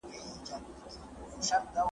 ما د سبا لپاره د يادښتونه بشپړ کړي دي..